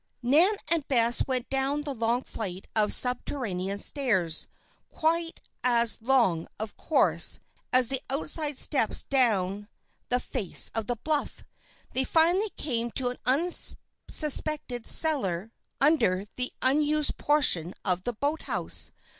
Nan and Bess went down the long flight of subterranean stairs, quite as long, of course, as the outside steps down the face of the bluff. They finally came to an unsuspected cellar under the unused portion of the boathouse.